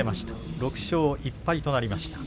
６勝１敗となりました。